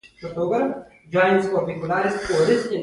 غوا يې ولوشله او بيا يې پرې واښه وخوړل